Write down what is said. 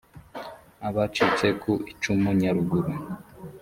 abacitse ku icumu nyaruguru